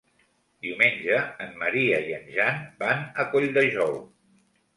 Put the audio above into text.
Diumenge en Maria i en Jan van a Colldejou.